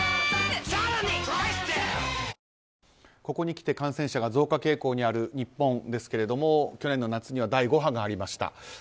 ここにきて感染者が増加傾向にある日本ですけれども去年の夏には第５波がありました。